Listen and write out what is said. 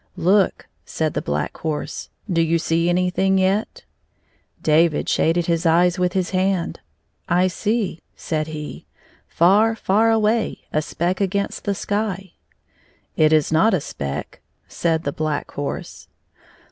" Look," said the Black Horse, do you see anything yetl" David shaded his eyes with his hand. " I see," said he, " far, far away, a speck against the sky." " It is not a speck," said the Black Horse.